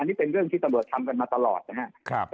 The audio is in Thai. อันนี้เป็นเรื่องที่ตรงโดรดิทำกันมาตลอดนะฮะ